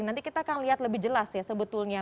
nanti kita akan lihat lebih jelas ya sebetulnya